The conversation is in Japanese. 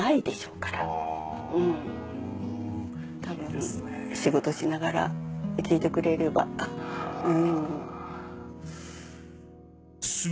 たぶん仕事しながら聴いてくれればうん。